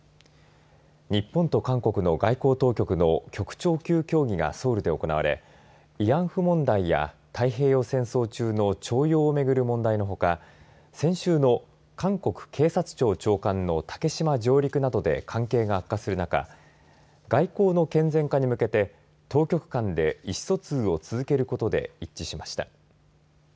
日本と韓国の外交当局の局長級協議がソウルで行われ慰安婦問題や太平洋戦争中の徴用をめぐる問題のほか先週の韓国警察庁長官の竹島上陸などで関係が悪化する中外交の健全化に向けて当局間で意思疎通を続けることで一致しました。